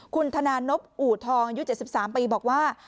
คุณธนานบอู่ทองอายุ๗๓ปีบอกว่า